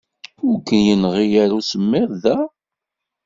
Ur k-yenɣi ara usemmiḍ da?